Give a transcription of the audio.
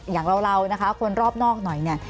อย่างเรานะคะคนรอบนอกหน่อยเนี่ย